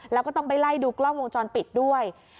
แล้วก็ต้องไปไล่ดูกล้องวงจรปิดด้วย